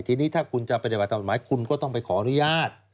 ทีนี้ถ้าคุณจะปฏิบัติตามกฎหมายคุณก็ต้องไปขออนุญาต